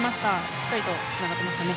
しっかりと、つながっていました。